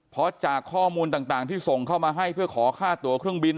เพราะจากข้อมูลต่างที่ส่งเข้ามาให้เพื่อขอค่าตัวเครื่องบิน